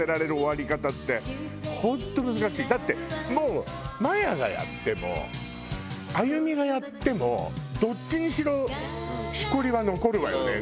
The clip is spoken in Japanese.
だってもうマヤがやっても亜弓がやってもどっちにしろしこりは残るわよね。